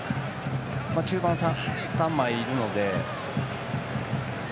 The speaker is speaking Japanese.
中盤には３枚いるので。